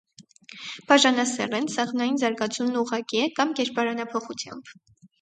Բաժանասեռ են, սաղմնային զարգացումն ուղղակի է կամ կերպարանափոխությամբ։